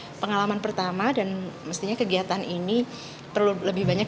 jadi ini pengalaman pertama dan mestinya kegiatan ini perlu lebih banyak